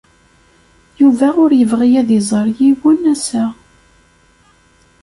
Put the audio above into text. Yuba ur yebɣi ad iẓer yiwen ass-a.